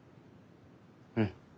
うん。